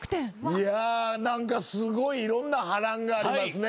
いや何かすごいいろんな波乱がありますね